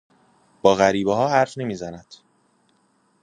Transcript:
با غریبهها حرف نمیزند.